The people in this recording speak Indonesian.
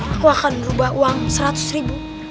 aku akan merubah uang seratus ribu